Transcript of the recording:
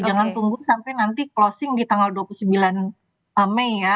jangan tunggu sampai nanti closing di tanggal dua puluh sembilan mei ya